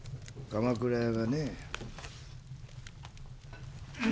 鎌倉屋がねえ。